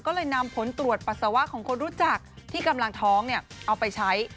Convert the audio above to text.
ก็เลยนำผลตรวจปัสสาวะของคนรู้จักที่กำลังท้องเอาไปใช้